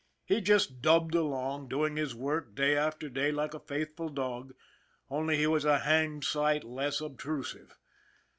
He just dubbed along, doing his work day after day like a faithful dog, only he was a hanged sight less obtrusive.